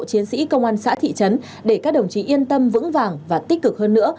chiến sĩ công an xã thị trấn để các đồng chí yên tâm vững vàng và tích cực hơn nữa